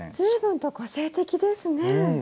随分と個性的ですね。